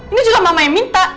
ini juga mama yang minta